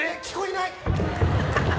聞こえない！